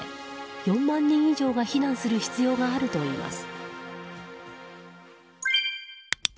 ４万人以上が避難する必要があるといいます。